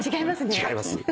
違いますね。